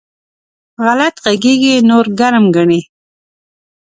غلط غږېږي؛ نور ګرم ګڼي.